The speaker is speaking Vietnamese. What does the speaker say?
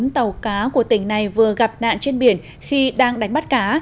bốn tàu cá của tỉnh này vừa gặp nạn trên biển khi đang đánh bắt cá